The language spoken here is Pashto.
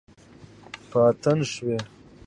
په اتڼ شوي